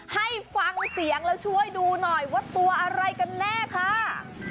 ให้ฟังเสียงแล้วช่วยดูหน่อยว่าตัวอะไรกันแน่ค่ะ